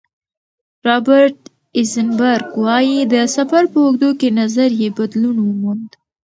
رابرټ ایزنبرګ وايي، د سفر په اوږدو کې نظر یې بدلون وموند.